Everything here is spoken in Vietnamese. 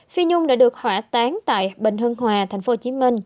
phi nhung đã được hỏa tán tại bệnh hưng hòa tp hcm